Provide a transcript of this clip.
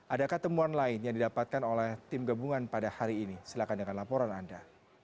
adakah temuan lain yang didapatkan oleh tim gabungan pada hari ini silahkan dengan laporan anda